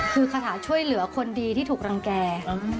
คือคาถาช่วยเหลือคนดีที่ถูกรังแก่